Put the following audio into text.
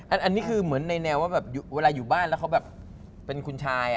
อันนี้คือเหมือนในแนวว่าแบบเวลาอยู่บ้านแล้วเขาแบบเป็นคุณชาย